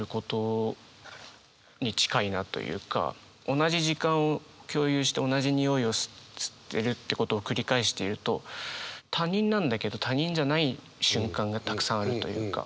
同じ時間を共有して同じにおいを吸ってるってことを繰り返していると他人なんだけど他人じゃない瞬間がたくさんあるというか。